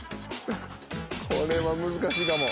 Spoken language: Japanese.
これは難しいかも。